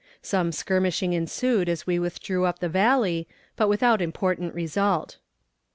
Some skirmishing ensued as we withdrew up the Valley, but without important result.